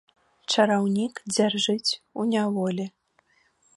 Чараўнік дзяржыць ў няволі.